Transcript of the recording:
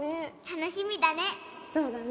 楽しみだね